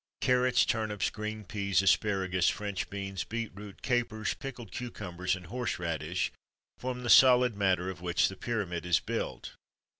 Carrots, turnips, green peas, asparagus, French beans, beetroot, capers, pickled cucumbers, and horse radish, form the solid matter of which the pyramid is built.